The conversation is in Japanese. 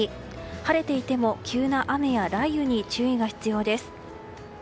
晴れていても急な雨や雷雨に注意が必要です。